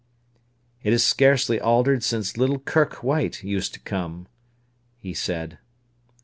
"It has scarcely altered since little Kirke White used to come," he said.